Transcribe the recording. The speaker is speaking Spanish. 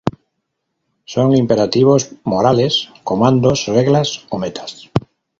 Son imperativos morales, comandos, reglas o metas.